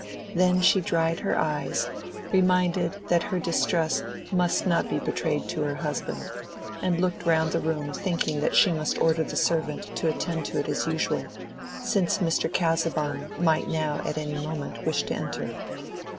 Then she dried her eyes, reminded that her distress must not be betrayed to her husband; and looked round the room thinking that she must order the servant to attend to it as usual, since Mr. Casaubon might now at any moment wish to enter.